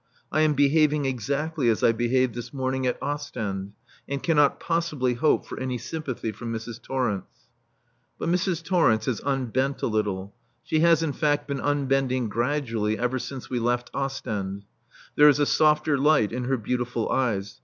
I am behaving exactly as I behaved this morning at Ostend; and cannot possibly hope for any sympathy from Mrs. Torrence. But Mrs. Torrence has unbent a little. She has in fact been unbending gradually ever since we left Ostend. There is a softer light in her beautiful eyes.